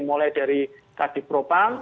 mulai dari tadi propang